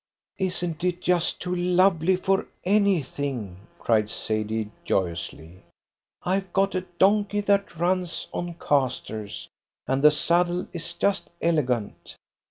"Isn't it just too lovely for anything?" cried Sadie joyously. "I've got a donkey that runs on casters, and the saddle is just elegant.